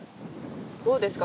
どうですか？